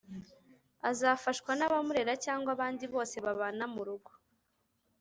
azafashwa n'abamurera cyangwa abandi bose babana mu rugo.